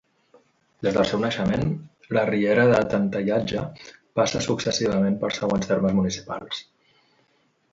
Des del seu naixement, la Riera de Tentellatge passa successivament pels següents termes municipals.